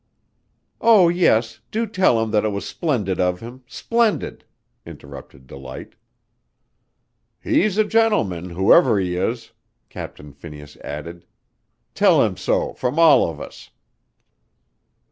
"Oh, yes, do tell him that it was splendid of him, splendid!" interrupted Delight. "He's a gentleman, whoever he is," Captain Phineas added. "Tell him so from all of us."